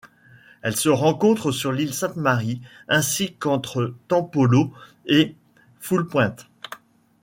Elle se rencontre sur l'île Sainte-Marie ainsi qu'entre Tampolo et Foulpointe.